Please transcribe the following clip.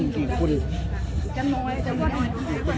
เมื่อ